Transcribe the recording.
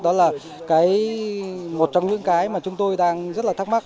đó là một trong những cái mà chúng tôi đang rất là thắc mắc